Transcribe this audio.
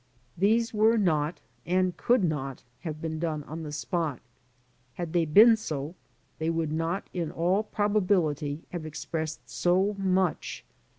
These were not, and could not, have been done on the spot. Had they been so, they would not, in all probability, have expressed so much.